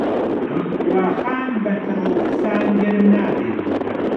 دیوەخان بە تڕ و فسان گەرم نابی.